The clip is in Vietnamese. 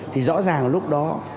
thì rõ ràng lúc đó